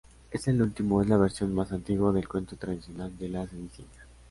Este último es la versión más antigua del cuento tradicional de "La cenicienta".